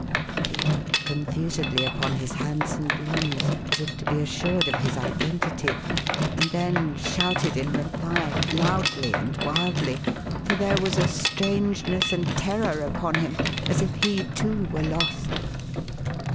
He looked confusedly upon his hands and limbs, as if to be assured of his identity, and then shouted in reply, loudly and wildly ; for there was a strangeness and terror upon him, as if he too were lost.